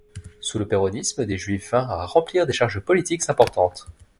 Sous le péronisme, des juifs vinrent à remplir des charges politiques importantes.